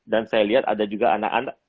dan saya lihat ada juga anak anak